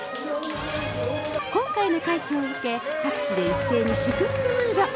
今回の快挙を受け、関係各地で祝福ムード。